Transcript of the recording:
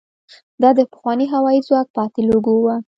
دا د پخواني هوايي ځواک پاتې لوګو وه.